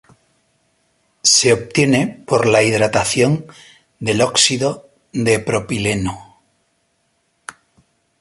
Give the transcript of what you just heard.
Se obtiene por la hidratación del óxido de propileno.